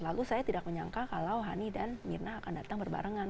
lalu saya tidak menyangka kalau hani dan mirna akan datang berbarengan